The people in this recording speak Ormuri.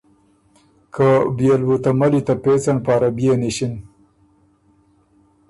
که بيې ل بُو ته ملّی ته پېڅن پاره بيې نِݭی۔